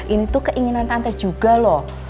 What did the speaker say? ini tuh keinginan tante juga loh